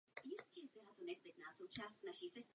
Byl profesorem na Univerzitě Karlově.